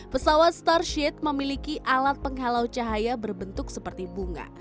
pesawat starship memiliki alat penghalau cahaya berbentuk seperti bunga